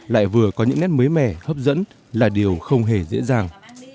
lại vừa có những nét mới mẻ hấp dẫn là điều không hề dễ dàng